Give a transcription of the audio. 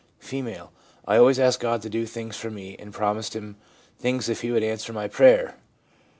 F. ' I always asked God to do things for me, and promised Him things if He would answer my prayer.'